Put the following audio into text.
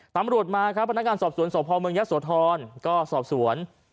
ตามรวดมาครับพนักการณ์สอบสวนสพเมืองยสวทรก็สอบสวน